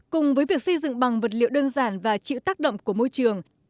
cùng với việc xây dựng bằng vật liệu đơn giản và chịu tác động của môi trường